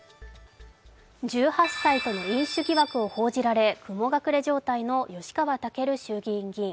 １８歳との飲酒疑惑を報じられ雲隠れ状態の吉川赳衆院議員。